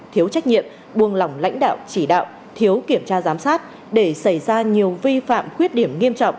thiếu trách nhiệm buông lỏng lãnh đạo chỉ đạo thiếu kiểm tra giám sát để xảy ra nhiều vi phạm khuyết điểm nghiêm trọng